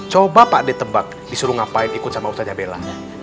coba pak ditebak disuruh ngapain ikut sama usaha jambela